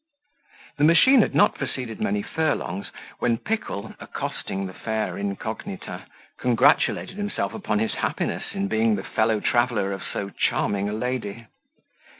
The machine had not proceeded many furlongs, when Pickle, accosting the fair incognita, congratulated himself upon his happiness, in being the fellow traveller of so charming a lady.